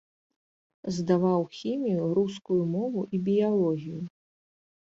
Здаваў хімію, рускую мову і біялогію.